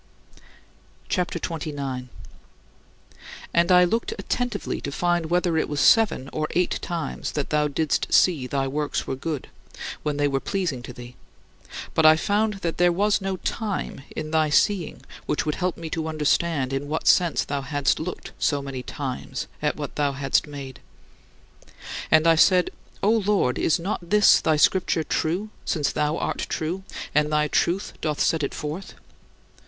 CHAPTER XXIX 44. And I looked attentively to find whether it was seven or eight times that thou didst see thy works were good, when they were pleasing to thee, but I found that there was no "time" in thy seeing which would help me to understand in what sense thou hadst looked so many "times" at what thou hadst made. And I said: "O Lord, is not this thy Scripture true, since thou art true, and thy truth doth set it forth?